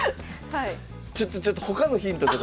ちょっとちょっと他のヒントのとこ